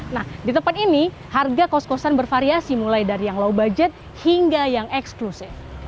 nah di tempat ini harga kos kosan bervariasi mulai dari yang low budget hingga yang eksklusif